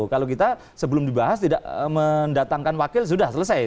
kalau kita sebelum dibahas tidak mendatangkan wakil sudah selesai